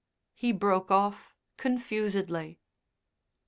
He broke off confusedly.